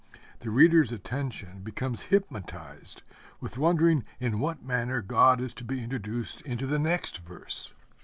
The reader's attention becomes hypnotized with wondering in what manner God is to be introduced into the next verse.